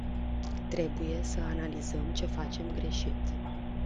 Trebuie să analizăm ce facem greșit.